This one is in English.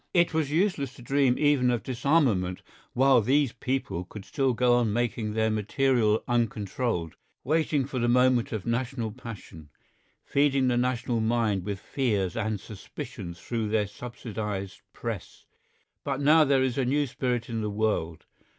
It was useless to dream even of disarmament while these people could still go on making their material uncontrolled, waiting for the moment of national passion, feeding the national mind with fears and suspicions through their subsidised Press. But now there is a new spirit in the world.